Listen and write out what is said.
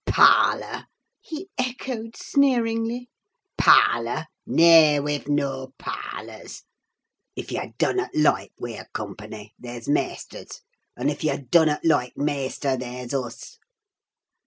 "Parlour!" he echoed, sneeringly, "parlour! Nay, we've noa parlours. If yah dunnut loike wer company, there's maister's; un' if yah dunnut loike maister, there's us."